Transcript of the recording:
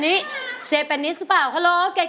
เพื่อจะไปชิงรางวัลเงินล้าน